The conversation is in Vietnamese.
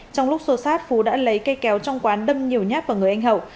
trong lúc xô sát phú đã lấy cây kéo trong quán đâm nhiều nhát vào người anh hậu